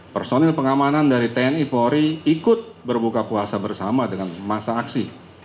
personil pengamanan dari tni polri ikut berbuka puasa bersama dengan masa aksi